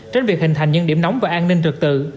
trên việc hình thành những điểm nóng về an ninh trực tự